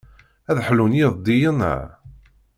Ad ḥlun yideddiyen-a?